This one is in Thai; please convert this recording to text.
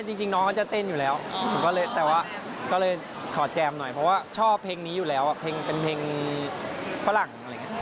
ใช่จริงน้องเขาจะเต้นอยู่แล้วก็เลยขอแจมหน่อยเพราะว่าชอบเพลงนี้อยู่แล้วเป็นเพลงฝรั่ง